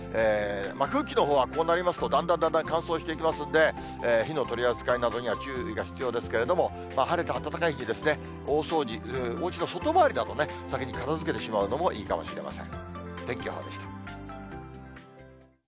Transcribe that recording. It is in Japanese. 空気のほうはこうなりますと、だんだんだんだん乾燥していきますんで、火の取り扱いなどには注意が必要ですけれども、晴れて暖かい日に、大掃除、おうちの外回りなどね、先に片づけてしまうのもいいかもしれません。